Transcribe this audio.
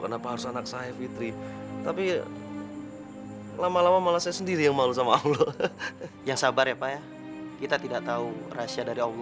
kenapa harus anak saya fitri